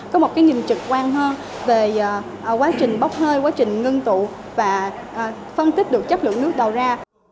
có một cái nhìn trực quan hơn về quá trình bốc hơi quá trình ngưng tụ và phân tích được chất lượng nước đầu ra